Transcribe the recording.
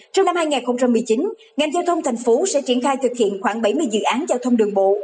trong năm hai nghìn một mươi chín ngành giao thông thành phố sẽ triển khai thực hiện khoảng bảy mươi dự án giao thông đường bộ